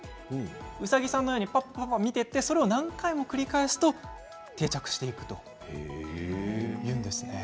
ウサギさんのように、ぱっぱと見ていってそれを何回も繰り返すと定着していくんだそうです。